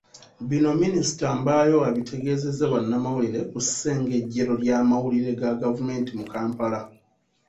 Bino Minisita Mbayo abitegeezezza bannamawulire ku ssengejjero ly'amawulire ga gavumenti mu Kampala.